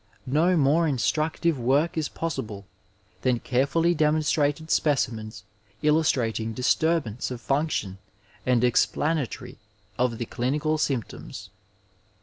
No more instructive work is possible than carefully demon strated specimens illustrating disturbance of function and explanatory of the clinical symptoms.